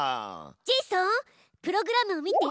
ジェイソンプログラムを見て。